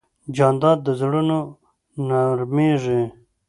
جانداد د زړونو نرمیږي.